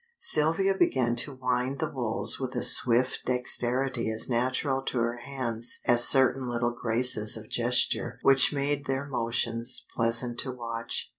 Sylvia began to wind the wools with a swift dexterity as natural to her hands as certain little graces of gesture which made their motions pleasant to watch.